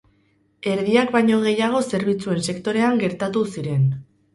Erdiak baino gehiago zerbitzuen sektorean gertatu ziren.